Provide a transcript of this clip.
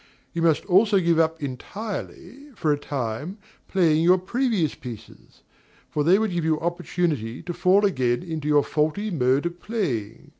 You must also give up entirely, for a time, playing your previous pieces; for they would give you opportunity to fall again into your faulty mode of playing.